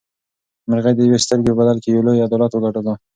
مرغۍ د یوې سترګې په بدل کې یو لوی عدالت وګټلو.